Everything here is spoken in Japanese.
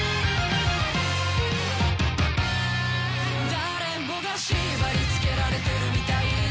誰もが縛り付けられてるみたいだ